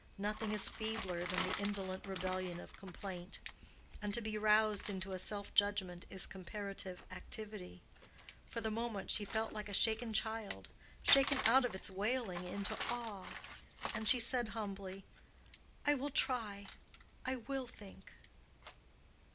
Nothing is feebler than the indolent rebellion of complaint; and to be roused into self judgment is comparative activity. For the moment she felt like a shaken child—shaken out of its wailing into awe, and she said humbly, "I will try. I will think."